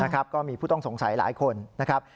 ก็มีผู้ต้องสงสัยหลายคนนะครับ